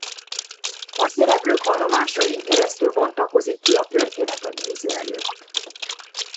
A szereplők vallomásain keresztül bontakozik ki a történet a néző előtt.